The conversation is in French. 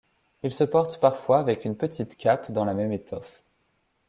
Il se porte parfois avec une petite cape dans la même étoffe.